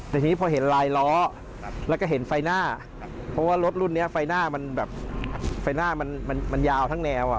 แต่ทีนี้พอเห็นลายล้อแล้วก็เห็นไฟหน้าเพราะว่ารถรุ่นนี้ไฟหน้ามันแบบไฟหน้ามันยาวทั้งแนว